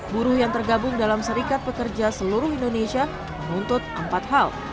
buruh yang tergabung dalam serikat pekerja seluruh indonesia menuntut empat hal